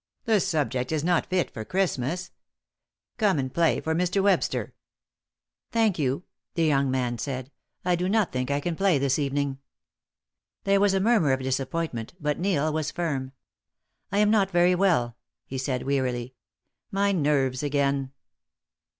The subject is not fit for Christmas. Come and play for Mr. Webster." "Thank you," the young man said. "I do not think I can play this evening." There was a murmur of disappointment, but Neil was firm. "I am not very well," he said, wearily. "My nerves again."